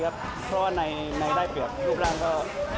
ครับเพราะว่าในนัยได้เปรียบรูปร่างก็